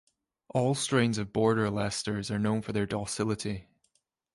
All strains of Border Leicesters are known for their docility.